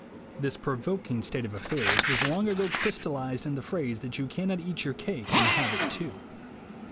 This provoking state of affairs was long ago crystallized in the phrase that you cannot eat your cake and have it too.